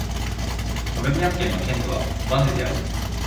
モルビアン県の県都はヴァンヌである